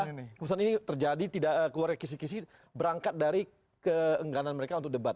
kehubungan ini terjadi keluar kisih kisih berangkat dari keengganan mereka untuk debat